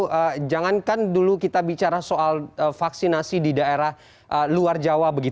jadi jangankan dulu kita bicara soal vaksinasi di daerah luar jawa